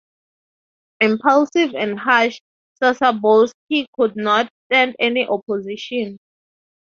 Impulsive and harsh, Sosabowski could not stand any opposition.